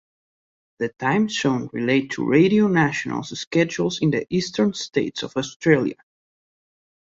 "The times shown relate to Radio National's schedules in the eastern states of Australia".